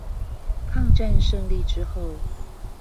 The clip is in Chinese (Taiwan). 抗戰勝利之後